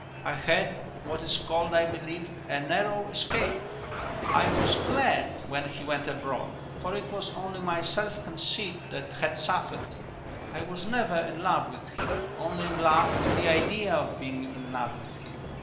I had what is called, I believe, a narrow escape. I was glad when he went abroad, for it was only my self conceit that had suffered. I was never in love with him: only in love with the idea of being in love with him.